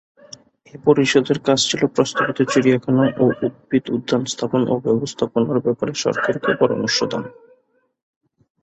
এ পরিষদের কাজ ছিল প্রস্তাবিত চিড়িয়াখানা ও উদ্ভিদ উদ্যান স্থাপন ও ব্যবস্থাপনার ব্যাপারে সরকারকে পরামর্শ দান।